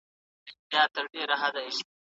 بریالیتوب د هر انسان لپاره بېلابېل مفهوم لري.